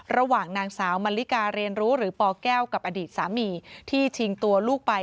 ระหว่างนางสาวมันลิกาเรียนรู้หรือปแก้วกับอดีตสามีที่ชิงตัวลูกไป